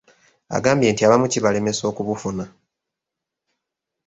Agambye nti abamu kibalemesa okubufuna.